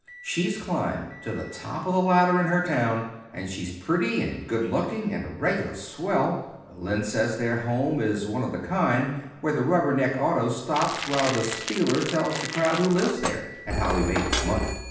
She's climbed to the top of the ladder in her town. And she's pretty, and young looking, and a regular swell. Len says their home is one of the kind where the rubberneck auto stops while the spieler tells the crowd who lives there, and how he made his money.